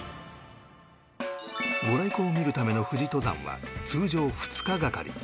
御来光を見るための富士登山は通常２日がかり